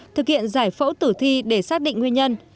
thực hiện giải phẫu tử thi để xác định nguyên nhân